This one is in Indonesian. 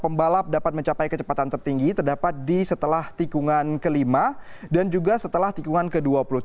pembalap dapat mencapai kecepatan tertinggi terdapat di setelah tikungan kelima dan juga setelah tikungan ke dua puluh tiga